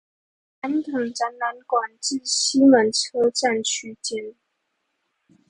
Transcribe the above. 南港展覽館至西門車站區間